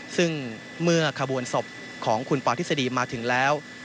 ซึ่งเมื่อขบวนศพของคุณปธิษฎีมาถึงแล้ว